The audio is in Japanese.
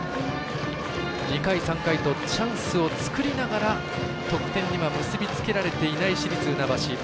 ２回、３回とチャンスを作りながら得点には結び付けられていない市立船橋。